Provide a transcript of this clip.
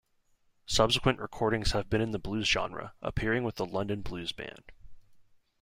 Subsequent recordings have been in the blues genre, appearing with the London Blues Band.